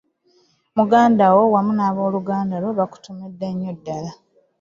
Mukadde wo wamu n'abooluganda lwo bakutumidde nnyo ddala.